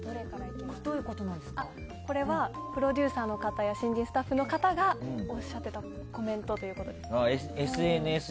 これはプロデューサーの方や新人スタッフの方がおっしゃってたコメントということですね。